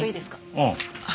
ああ。